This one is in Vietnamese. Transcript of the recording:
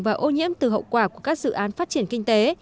và ô nhiễm từ hậu quả của các dự án phát triển kinh tế